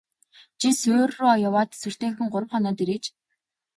Чи суурь руу яваад тэсвэртэйхэн гурав хоноод ирээч.